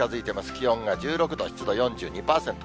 気温が１６度、湿度４２％。